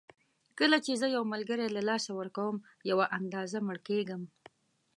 کله چې زه یو ملګری له لاسه ورکوم یوه اندازه مړ کېږم.